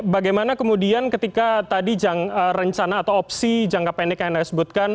bagaimana kemudian ketika tadi rencana atau opsi jangka pendek yang anda sebutkan